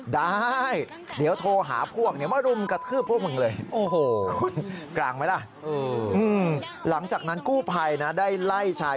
ได้เดี๋ยวโทรหาพวกเดี๋ยวมารุมกระทืบพวกมึงเลย